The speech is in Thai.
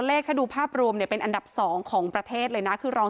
ถ้าดูภาพรวมเนี่ยเป็นอันดับ๒ของประเทศเลยนะคือรอง